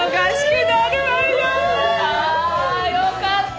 ああよかった！